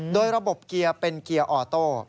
โดยระบบเกียร์เป็นเกียร์ออโต้